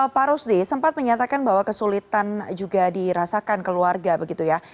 pak rusdi sempat menyatakan bahwa kesulitan juga dirasakan keluarga begitu ya